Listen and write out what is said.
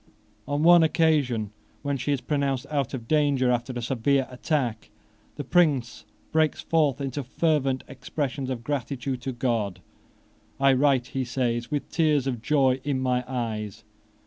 On one occasion, when she is pronounced out of danger after a severe attack, the Prince breaks forth into fervent expressions of gratitude to God. "I write," he says, "with tears of joy in my eyes."